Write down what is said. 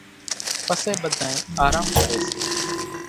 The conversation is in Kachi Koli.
پسي ٻڌانئين آرام ڪري سي